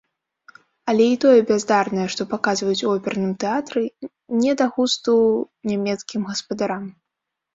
Але і тое бяздарнае, што паказваюць у оперным тэатры, не да густу нямецкім гаспадарам.